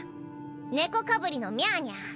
猫かぶりのミャアニャ。